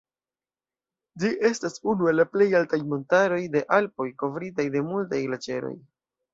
Ĝi estas unu el la plej altaj montaroj de Alpoj, kovritaj de multaj glaĉeroj.